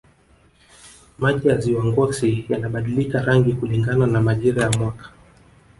maji ya ziwa ngosi yanabadilika rangi kulingana na majira ya mwaka